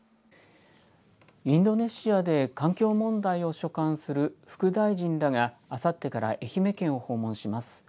インドネシアで環境問題を所管する副大臣らが、あさってから愛媛県を訪問します。